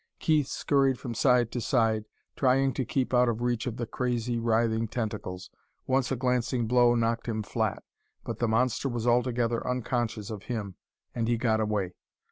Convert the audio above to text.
Keith scurried from side to side, trying to keep out of reach of the crazy, writhing tentacles. Once a glancing blow knocked him flat, but the monster was altogether unconscious of him and he got away.